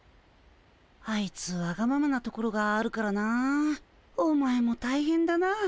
あいつわがままなところがあるからなお前も大変だな。